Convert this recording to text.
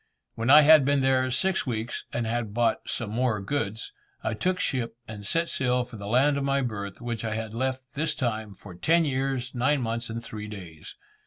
When I had been there six weeks, and had bought some more goods; I took ship and set sail for the land of my birth, which I had left, this time, for ten years, nine months and three days.